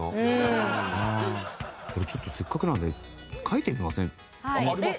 これちょっとせっかくなので書いてみません？あります？